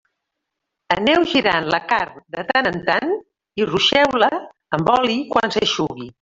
Aneu girant la carn de tant en tant i ruixeu-la amb l'oli quan s'eixugui.